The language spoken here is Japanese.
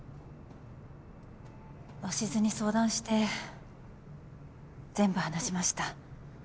鷲津に相談して全部話しました。